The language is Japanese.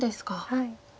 はい。